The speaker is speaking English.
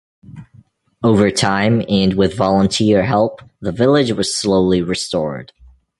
Over time, and with volunteer help, the village was slowly restored.